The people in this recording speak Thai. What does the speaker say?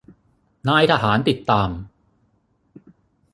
นายทหารติดตาม